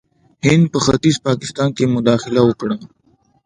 هند په ختیځ پاکستان کې مداخله وکړه.